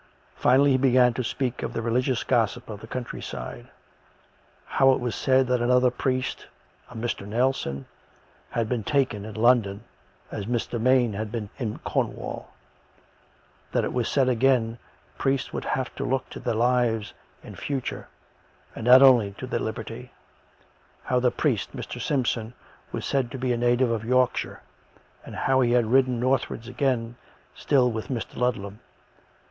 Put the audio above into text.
Finally he began to speak of the religious gossip of the countryside — how it was said that another priest, a Mr. Nelson, had been taken in London, as Mr. Maine had been in Cornwall; that, it was said again, priests would have to look to their lives in future, and not only to their liberty; how the priest, Mr. Simpson, was said to be a native of Yorkshire, and how he was ridden north wards again, still with Mr. Ludlam.